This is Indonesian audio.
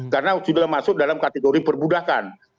karena sudah masuk dalam kategori perbudakan